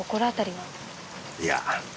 いや。